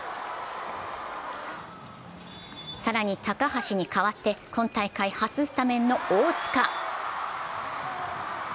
更に、高橋に代わって今大会初スタメンの大塚。